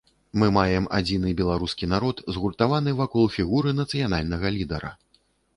Мы маем адзіны беларускі народ, згуртаваны вакол фігуры нацыянальнага лідара.